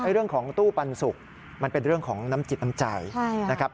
เรื่องของตู้ปันสุกมันเป็นเรื่องของน้ำจิตน้ำใจนะครับ